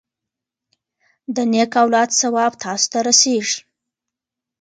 د نیک اولاد ثواب تاسو ته رسیږي.